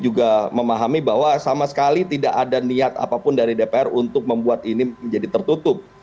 juga memahami bahwa sama sekali tidak ada niat apapun dari dpr untuk membuat ini menjadi tertutup